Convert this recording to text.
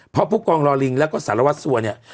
เพราะผู้กองรอลิงแล้วก็สารวัตรสัวเนี่ย